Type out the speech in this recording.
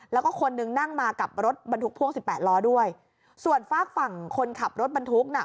แล้วก็คนนึงนั่งมากับรถบรรทุกพ่วงสิบแปดล้อด้วยส่วนฝากฝั่งคนขับรถบรรทุกน่ะ